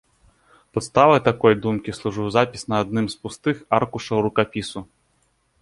Падставай такой думкі служыў запіс на адным з пустых аркушаў рукапісу.